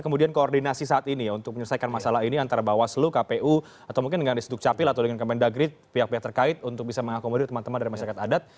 kemudian koordinasi saat ini ya untuk menyelesaikan masalah ini antara bawaslu kpu atau mungkin dengan di sdukcapil atau dengan kementerian negeri pihak pihak terkait untuk bisa mengakomodir teman teman dari masyarakat adat